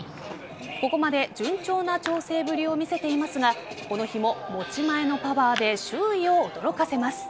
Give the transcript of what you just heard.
ここまで順調な調整ぶりを見せていますがこの日も持ち前のパワーで周囲を驚かせます。